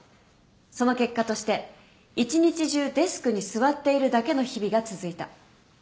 その結果として一日中デスクに座っているだけの日々が続いた。